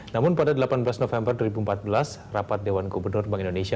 namun pada delapan belas november dua ribu empat belas rapat dewan gubernur bank indonesia